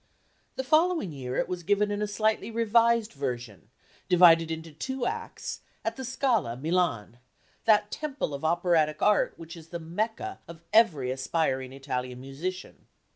The following year it was given in a slightly revised version, divided into two acts, at the Scala, Milan, that Temple of Operatic Art which is the Mecca of every aspiring Italian musician.